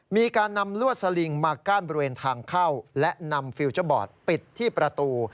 มีการนำลวดสลิงมากั้นบริเวณทางเข้าและนำฟิลเจอร์บอร์ดปิดที่ประตู